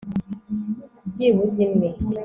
byibuze imwe